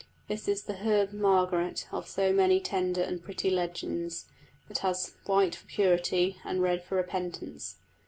This is the herb Margaret of so many tender and pretty legends, that has white for purity and red for repentance.